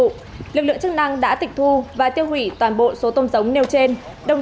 lực lượng chức năng đã tịch thu và tiêu hủy toàn bộ số tôm giống nêu trên